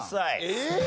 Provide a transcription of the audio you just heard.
えっ！？